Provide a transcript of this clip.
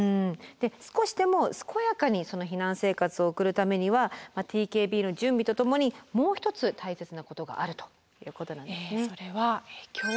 で少しでも健やかにその避難生活を送るためにはＴＫＢの準備とともにもう一つ大切なことがあるということなんですね。